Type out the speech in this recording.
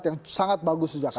yang sangat bagus di jakarta